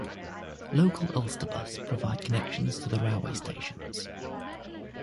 Local Ulsterbus provide connections to the railway stations.